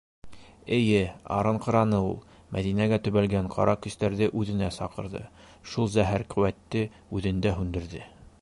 Эйе, арынҡыраны ул. Мәҙинәгә төбәлгән ҡара көстәрҙе үҙенә саҡырҙы, шул зәһәр ҡеүәтте үҙендә һүндерҙе.